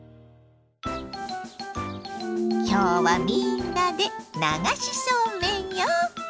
今日はみんなで流しそうめんよ！